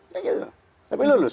ya gitu tapi lulus